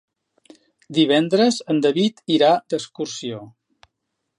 Divendres en David irà d'excursió.